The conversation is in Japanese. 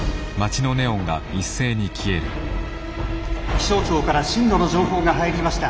「気象庁から震度の情報が入りました。